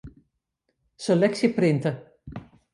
Seleksje printsje.